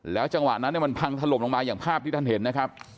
จังหวะนั้นมันพังถล่มลงมาอย่างภาพที่ท่านเห็นนะครับ